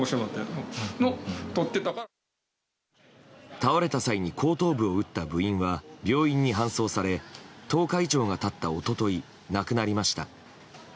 倒れた際に後頭部を打った部員は病院に搬送され１０日以上が経った一昨日亡くなりました。